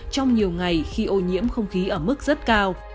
trong nhiều ngày khi ô nhiễm không khí ở mức rất cao